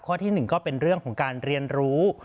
ที่๑ก็เป็นเรื่องของการเรียนรู้